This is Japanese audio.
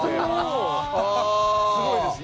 すごいですね。